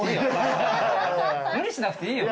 無理しなくていいよ。